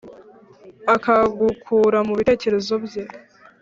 akagukura mu bitekerezo bye,